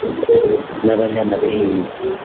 n’abanyamadini